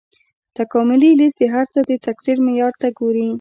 تکاملي لید د هر څه د تکثیر معیار ته ګوري.